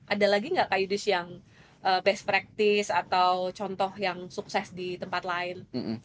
ada lagi nggak kak yudis yang best practice atau contoh yang sukses di tempat lain